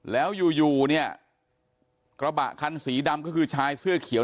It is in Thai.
แล้วอยู่อยู่เนี่ยกระบะคันสีดำก็คือชายเสื้อเขียว